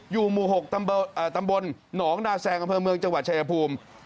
อยู่หมู่๖ตำบลหนองนาแซงอำเภอเมืองจังหวัดชายภูมิ